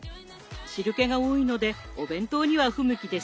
汁けが多いのでお弁当には不向きですよね。